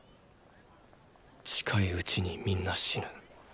近いうちにみんな死ぬ。